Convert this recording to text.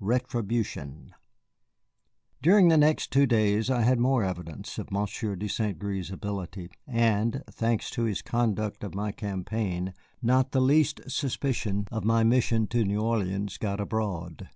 RETRIBUTION During the next two days I had more evidence of Monsieur de St. Gré's ability, and, thanks to his conduct of my campaign, not the least suspicion of my mission to New Orleans got abroad.